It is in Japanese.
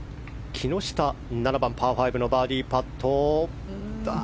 木下、７番パー５のバーディーパット。